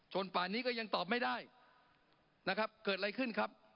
ป่านนี้ก็ยังตอบไม่ได้นะครับเกิดอะไรขึ้นครับ